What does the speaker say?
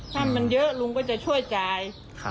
ถ้ามันเยอะลุงก็จะช่วยจ่าย